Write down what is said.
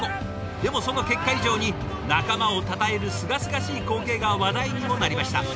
でもその結果以上に仲間をたたえるすがすがしい光景が話題にもなりました。